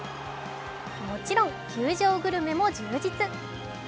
もちろん球場グルメも充実。